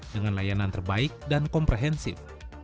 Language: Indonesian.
dengan layanan terbaik dan komprehensif